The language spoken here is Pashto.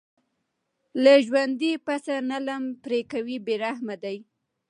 له ژوندي پسه نه لم پرې کوي بې رحمه دي.